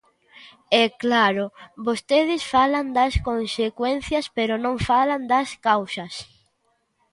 E, claro, vostedes falan das consecuencias pero non falan das causas.